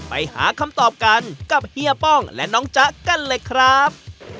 ไปหาคำตอบกันกับเฮียป้องและน้องจ๊ะกันเลยครับ